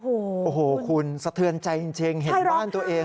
โอ้โหคุณสะเทือนใจจริงเห็นบ้านตัวเอง